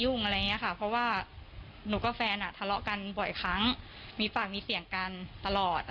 หรือหรือหรือหรือหรือหรือหรือ